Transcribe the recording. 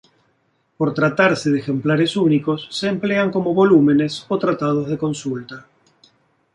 Por tratarse de ejemplares únicos, se emplean como volúmenes o tratados de consulta.